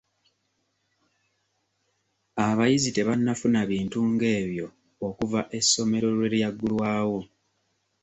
Abayizi tebannafuna bintu ng'ebyo okuva essomero lwe lyaggulwawo.